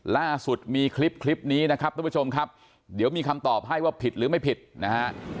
ล่าสุดมีคลิปคลิปนี้นะครับทุกผู้ชมครับเดี๋ยวมีคำตอบให้ว่าผิดหรือไม่ผิดนะฮะ